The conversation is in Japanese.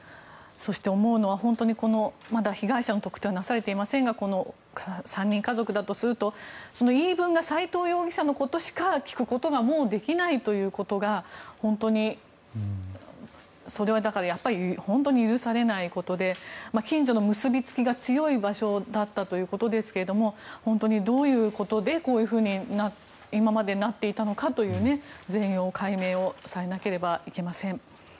そして思うのはまだ被害者の特定はなされていませんが３人家族だとすると言い分が斎藤容疑者のことしか聞くことがもうできないということが本当にそれは許されないことで近所の結びつきが強い場所だったということですが本当にどういうことでこういうふうに今までなっていたのかという全容解明がされなければいけません。